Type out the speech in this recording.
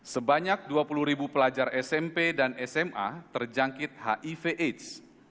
sebanyak dua puluh ribu pelajar smp dan sma terjangkit hiv aids